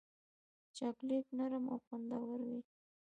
چاکلېټ نرم او خوندور وي.